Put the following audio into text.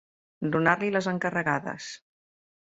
Donar-li les encarregades.